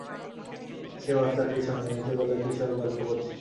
সে বাচ্চাটির সঙ্গে নিচুগলায় কী সব গল্প করছে।